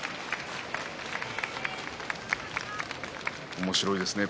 おもしろいですね。